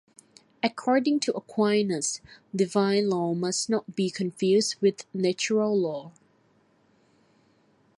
According to Aquinas, divine law must not be confused with natural law.